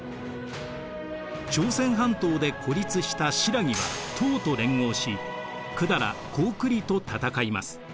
朝鮮半島で孤立した新羅は唐と連合し百済高句麗と戦います。